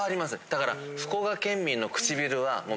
だから。